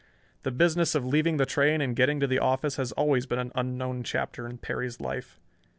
The business of leaving the train and getting to the office has always been an unknown chapter in Perry's life.